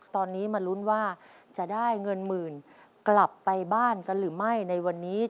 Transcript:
ตอนนี้มาลุ้นว่าจะได้เงินหมื่นกลับไปบ้านกันหรือไม่ในวันนี้